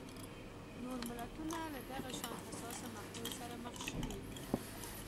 نور ملتونه له دغه شان حساسو مقطعو سره مخ شوي.